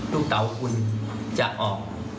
ลูกเตาคุณจะออก